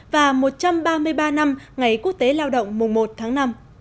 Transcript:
và một trăm ba mươi ba năm ngày quốc tế lao động mùa một tháng năm